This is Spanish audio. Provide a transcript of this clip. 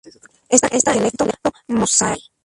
Está en dialecto mozárabe.